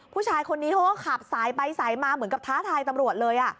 ผู้ชายคนนี้เขาก็ขับสายไปสายมาเหมือนกับท้าทายตำรวจเลย